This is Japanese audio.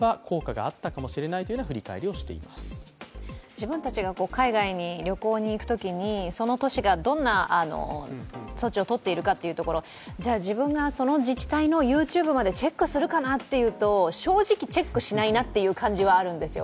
自分たちが海外に旅行に行くときにその都市がどんな措置を取っているのかというところ自分がその自治体のＹｏｕＴｕｂｅまでチェックするかなというと正直、チェックしないなという感じはあるんですよ。